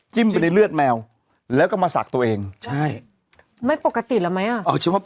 ไปในเลือดแมวแล้วก็มาสักตัวเองใช่ไม่ปกติแล้วไหมอ่ะ